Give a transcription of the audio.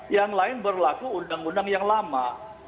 yang lain berlaku undang undang yang lama